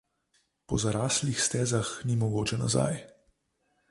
Po zaraslih stezah ni mogoče nazaj.